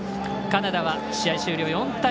カナダは試合終了、４対１。